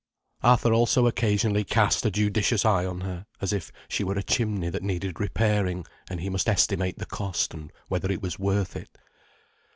Arthur also occasionally cast a judicious eye on her, as if she were a chimney that needed repairing, and he must estimate the cost, and whether it was worth it.